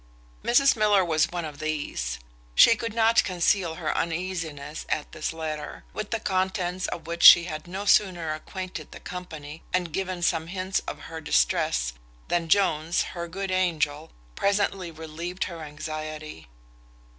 Mrs Miller was one of these. She could not conceal her uneasiness at this letter; with the contents of which she had no sooner acquainted the company, and given some hints of her distress, than Jones, her good angel, presently relieved her anxiety.